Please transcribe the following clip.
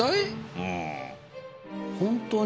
うん。